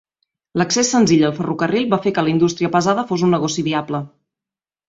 L"accés senzill al ferrocarril va fer que l"indústria pesada fos un negoci viable.